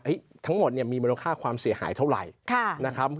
ทั้งหมดเนี่ยมีมูลค่าความเสียหายเท่าไหร่นะครับ